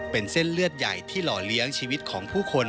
เป็นเส้นเลือดใหญ่ที่หล่อเลี้ยงชีวิตของผู้คน